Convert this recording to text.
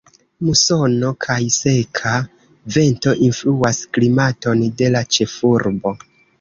Musono kaj seka vento influas klimaton de la ĉefurbo.